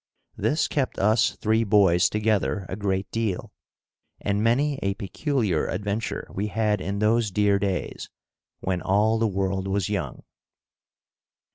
This kept us three boys together a great deal, and many a peculiar adventure we had in those dear days "when all the world was young."